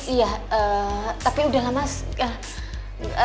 iya tapi udah lama lama gak ada temen cowoknya